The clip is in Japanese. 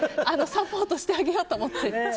サポートしてあげようと思って。